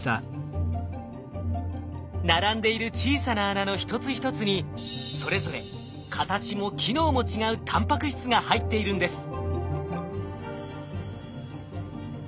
並んでいる小さな穴の一つ一つにそれぞれ形も機能も違うタンパク質が入っているんです。